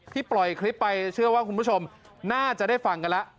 ปล่อยคลิปไปเชื่อว่าคุณผู้ชมน่าจะได้ฟังกันแล้ว